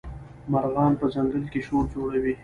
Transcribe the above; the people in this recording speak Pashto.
مارغان په ځنګل کي شور جوړوي.